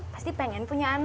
pasti pengen punya anak